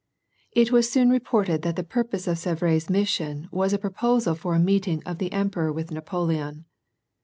It was soon reported that the purpose of Savary's mission was a pro[)osal for a meeting of the emperor with Napoleon.